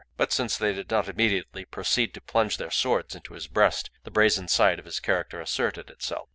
But since they did not immediately proceed to plunge their swords into his breast, the brazen side of his character asserted itself.